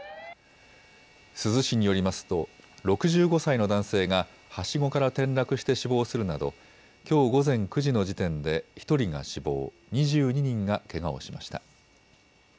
珠洲市によりますと６５歳の男性がはしごから転落して死亡するなどきょう午前９時の時点で１人が死亡、２２人がけがをしました。